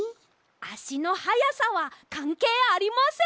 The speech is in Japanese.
あしのはやさはかんけいありません！